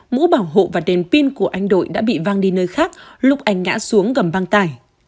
mũ bảo hộ và đèn pin của anh đội đã bị vang đi nơi khác lúc anh ngã xuống gầm băng tải